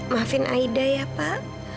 maafin aida ya pak